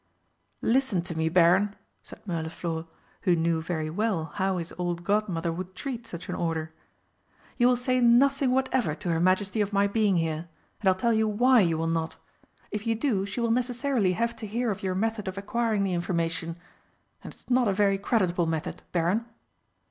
"Listen to me, Baron!" said Mirliflor, who knew very well how his old Godmother would treat such an order. "You will say nothing whatever to her Majesty of my being here and I'll tell you why you will not. If you do, she will necessarily have to hear of your method of acquiring the information. And it's not a very creditable method, Baron!"